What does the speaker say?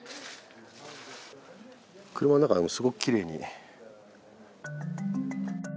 車の中はすごくきれいに。